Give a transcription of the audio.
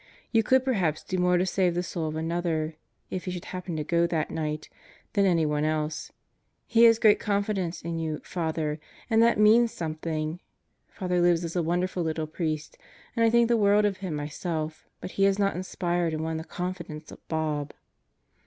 You could perhaps do more to save the soul of another if he should happen, to go that night than anyone else. He has great confidence in you, Father, and that means something! Father Libs is a wonderful little priest, and I think the world of him myself, but he has not inspired and won the confidence of Bob.